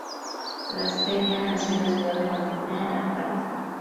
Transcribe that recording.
Lastenia nació en la Ciudad de Mantinea en Arcadia.